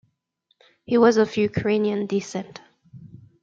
He was of Ukrainian descent.